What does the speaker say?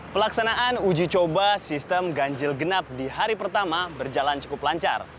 pelaksanaan uji coba sistem ganjil genap di hari pertama berjalan cukup lancar